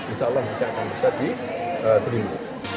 insya allah nanti akan bisa diterima